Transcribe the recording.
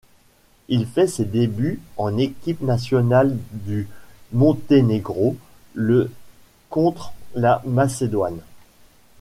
Il fait ses débuts en équipe nationale du Monténégro le contre la Macédoine.